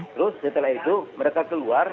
terus setelah itu mereka keluar